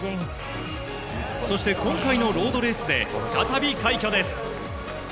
そして今回のロードレースで、再び快挙です。